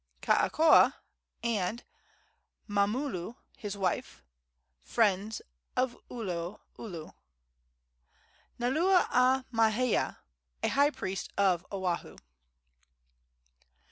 Kaakoa, and Mamulu, his wife, friends of Oluolu. Naula a Maihea, a high priest of Oahu.